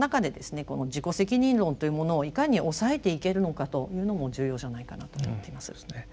この自己責任論というものをいかに抑えていけるのかというのも重要じゃないかなと思っています。